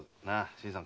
新さん